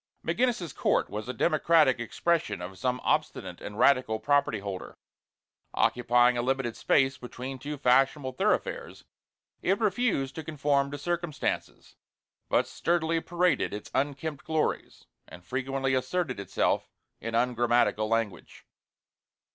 McGinnis's Court was a democratic expression of some obstinate and radical property holder. Occupying a limited space between two fashionable thoroughfares, it refused to conform to circumstances, but sturdily paraded its unkempt glories, and frequently asserted itself in ungrammatical language.